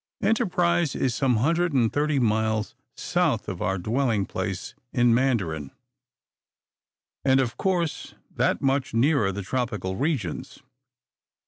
Enterprise is some hundred and thirty miles south of our dwelling place in Mandarin; and, of course, that much nearer the tropical regions.